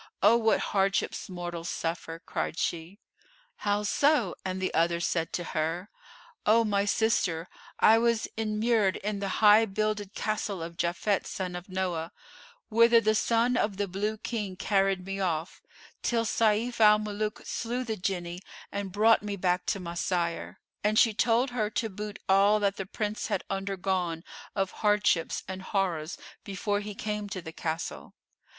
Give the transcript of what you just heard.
Oh, what hardships mortals suffer!" cried she, "How so?" and the other said to her, "O my sister, I was inmured in the High builded Castle of Japhet son of Noah, whither the son of the Blue King carried me off till Sayf al Muluk slew the Jinni and brought me back to my sire;" and she told her to boot all that the Prince had undergone of hardships and horrors before he came to the Castle.